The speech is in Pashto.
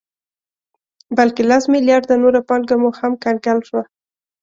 بلکې لس مليارده نوره پانګه مو هم کنګل شوه